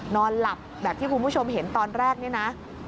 นอนหลับแบบที่คุณผู้ชมเห็นตอนแรกนี่นะ